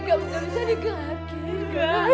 gak bisa dikaki kan